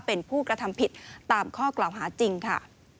เป็นผู้กระทำผิดตามข้อกล่าวหาจริงค่ะ